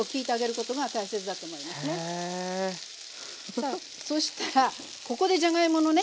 さあそしたらここでじゃがいものね